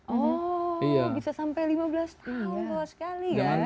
oh bisa sampai lima belas tahun bahwa sekali ya